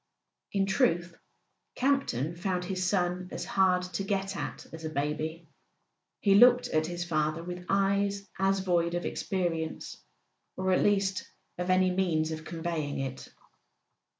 In truth, Campton found his son as hard to get at as a baby; he looked at his father with eyes as void of experience, or at least of any means of conveying it.